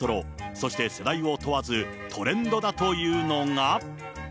そして世代を問わず、トレンドだというのが。